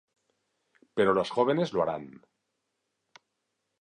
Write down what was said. Pero los jóvenes lo harán".